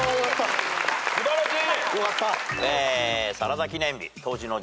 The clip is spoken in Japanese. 素晴らしい！